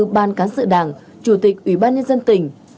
ban cán sự đảng chủ tịch ủy ban nhân dân tỉnh